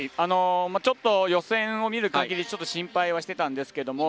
ちょっと予選を見る限り心配はしていたんですけれども。